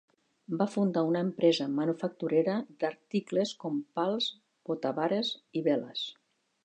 Va fundar una empresa manufacturera d"articles com pals, botavares i veles.